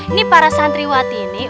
ini para santriwati ini